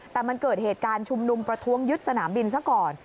แต่มันเกิดเหตุการณ์ชุมนุมประท้วงยึดสนามบินซะก่อน